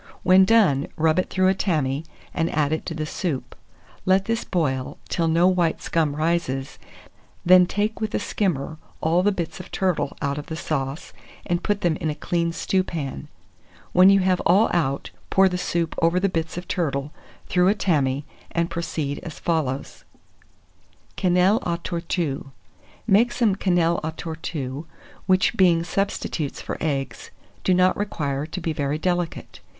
When done, rub it through a tammy, and add it to the soup. Let this boil, till no white scum rises; then take with a skimmer all the bits of turtle out of the sauce, and put them in a clean stewpan: when you have all out, pour the soup over the bits of turtle, through a tammy, and proceed as follows: QUENELLES À TORTUE. Make some quenelles à tortue, which being substitutes for eggs, do not require to be very delicate.